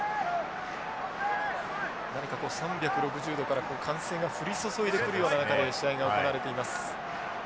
何かこう３６０度から歓声が降り注いでくるような中で試合が行われています。